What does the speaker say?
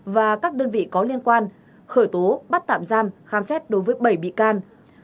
và các đơn vị có liên quan khởi tố bắt tạm giam khám xét đối với bảy bị can